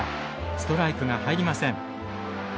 ストライクが入りません。